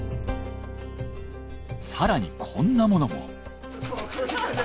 更にこんなものも。